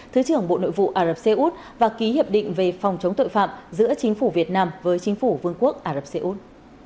thứ trưởng bộ nội vụ ả rập xê út và ký hiệp định về phòng chống tội phạm giữa chính phủ việt nam với chính phủ vương quốc ả rập xê út